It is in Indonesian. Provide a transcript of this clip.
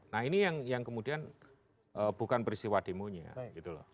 nah ini yang kemudian bukan peristiwa demonya gitu loh